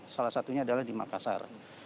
salah satunya adalah di makassar